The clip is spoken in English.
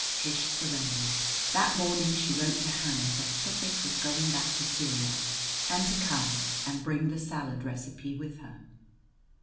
Tish surrendered: that morning she wrote to Hannah that Tufik was going back to Syria, and to come and bring the salad recipe with her.